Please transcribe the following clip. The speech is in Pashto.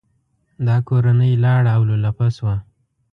دا کورنۍ لاړه او لولپه شوه.